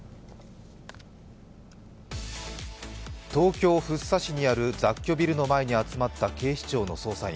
東京・福生市にある雑居ビルの前に集まった警視庁の捜査員。